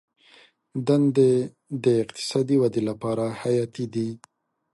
دندې د اقتصاد د ودې لپاره حیاتي دي.